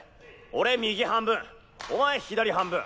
俺右半分お前左半分。